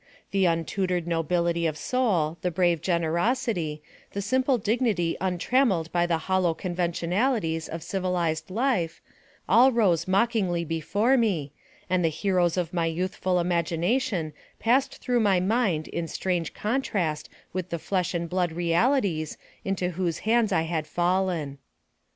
The untutored nobility of soul, the brave generosity, the simple dignity untrammelled by the hollow conventionalities of civilized life, all rose mockingly before me, and the heroes of my youthful imagination passed through my mind in strange con trast with the flesh and blood realities into whose hands I had fallen.